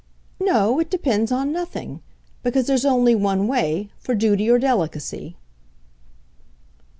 "No it depends on nothing. Because there's only one way for duty or delicacy."